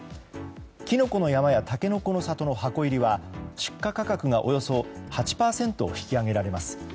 きのこの山やたけのこの里の箱入りは、出荷価格がおよそ８％引き上げられます。